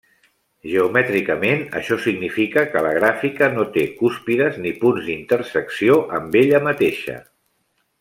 Geomètricament, això significa que la gràfica no té cúspides ni punts d'intersecció amb ella mateixa.